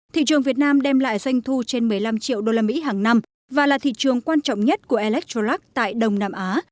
thị trường việt nam đem lại doanh thu trên một mươi năm triệu usd hàng năm và là thị trường quan trọng nhất của electrolux tại đông nam á